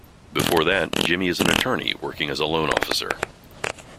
Before that, Jimmy is an attorney working as a loan officer.